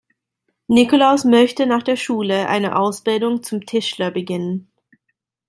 Nikolaus möchte nach der Schule eine Ausbildung zum Tischler beginnen.